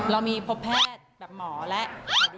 เรามีพบแพทย์แบบหมอแล้ว